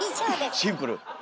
シンプル。